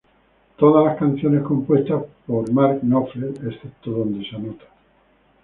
Todas las canciones compuestas por Mark Knopfler excepto donde se anota.